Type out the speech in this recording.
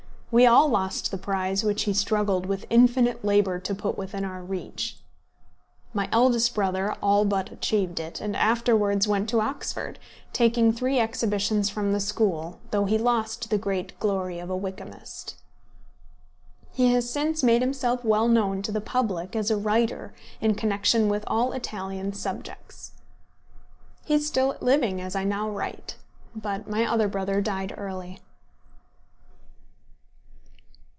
We all lost the prize which he struggled with infinite labour to put within our reach. My eldest brother all but achieved it, and afterwards went to Oxford, taking three exhibitions from the school, though he lost the great glory of a Wykamist. He has since made himself well known to the public as a writer in connection with all Italian subjects. He is still living as I now write. But my other brother died early.